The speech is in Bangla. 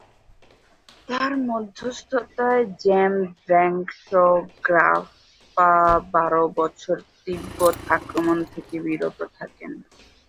তার মধ্যস্থতায় 'জাম-দ্ব্যাংস-গ্রাগ্স-পা বারো বছর তিব্বত আক্রমণ থেকে বিরত থাকেন।